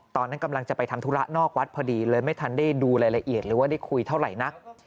ตอนนั้นกำลังจะไปทำธุระนอกวัดพอดีเลยไม่ทันได้ดูรายละเอียดหรือว่าได้คุยเท่าไหร่นัก